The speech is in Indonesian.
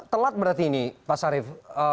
telat berarti ini pak sarif